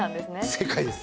正解です。